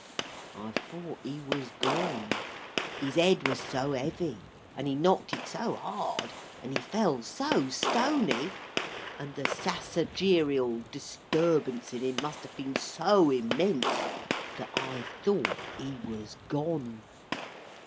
I thought he was gone. His Ed was so heavy, and he knocked it so hard, and he fell so stoney, and the sassagerial disturbance in him must have been so immense, that I thought he was gone.